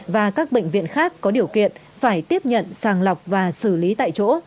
và các bệnh viện khác có điều kiện phải tiếp nhận sàng lọc và xử lý tại chỗ